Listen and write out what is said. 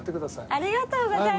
ありがとうございます。